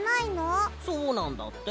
そうなんだって。